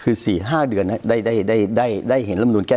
คือ๔๕เดือนได้เห็นลำนูลแก้